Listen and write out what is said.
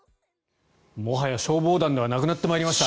もはや消防団ではなくなってまいりました。